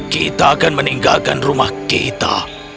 kita akan meninggalkan rumah kita